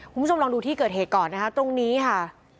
คุณผู้ชมลองดูที่เกิดเหตุก่อนนะคะตรงนี้ค่ะ